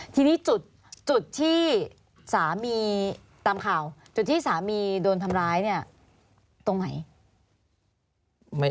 ทีนี้จุดที่สามีตามข่าวจุดที่สามีโดนทำร้ายเนี่ยตรงไหน